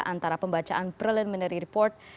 antara pembacaan preliminary report